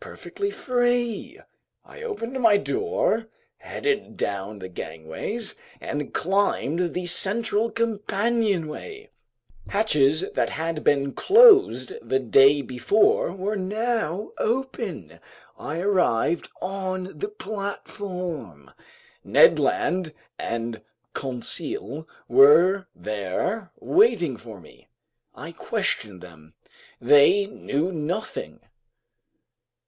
Perfectly free. I opened my door, headed down the gangways, and climbed the central companionway. Hatches that had been closed the day before were now open. I arrived on the platform. Ned Land and Conseil were there waiting for me. I questioned them. They knew nothing.